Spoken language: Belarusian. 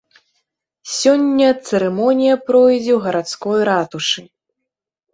Сёння цырымонія пройдзе ў гарадской ратушы.